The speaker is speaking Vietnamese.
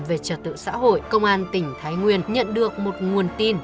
về trật tự xã hội công an tỉnh thái nguyên nhận được một nguồn tin